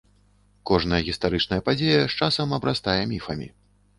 Кожная гістарычная падзея з часам абрастае міфамі.